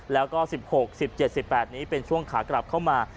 แล้วก็สิบหกสิบเจ็ดสิบแปดนี้เป็นช่วงขากลับเข้ามา